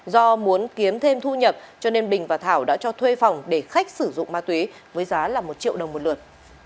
do muốn kiếm thêm thu nhập cho nên bình và thảo đã cho thuê phòng để khách sử dụng ma túy với giá là một triệu đồng một lượt